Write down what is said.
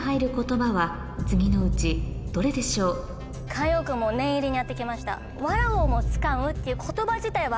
慣用句も念入りにやってきました。